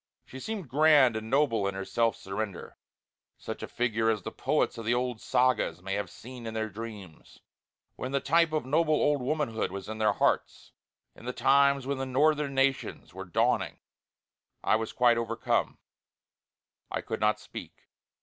She seemed grand and noble in her self surrender; such a figure as the poets of the old sagas may have seen in their dreams, when the type of noble old womanhood was in their hearts; in the times when the northern nations were dawning. I was quite overcome; I could not speak.